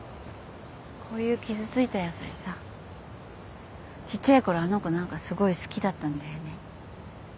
こういう傷ついた野菜さちっちゃい頃あの子何かすごい好きだったんだよね。